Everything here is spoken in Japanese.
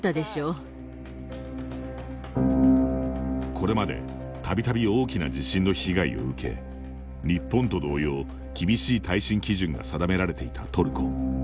これまで、たびたび大きな地震の被害を受け日本と同様、厳しい耐震基準が定められていたトルコ。